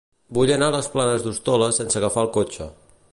Vull anar a les Planes d'Hostoles sense agafar el cotxe.